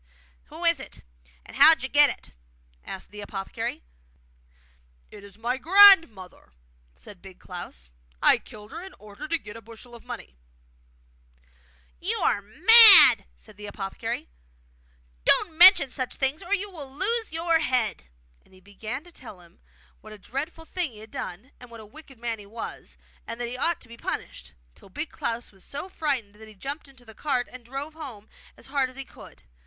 'Who is it, and how did you get it?' asked the apothecary. 'It is my grandmother,' said Big Klaus. 'I killed her in order to get a bushel of money.' 'You are mad!' said the apothecary. 'Don't mention such things, or you will lose your head!' And he began to tell him what a dreadful thing he had done, and what a wicked man he was, and that he ought to be punished; till Big Klaus was so frightened that he jumped into the cart and drove home as hard as he could.